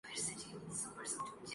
وہ مجھ سے دو سال بڑا ہے